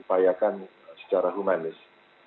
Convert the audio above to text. upayakan secara humanis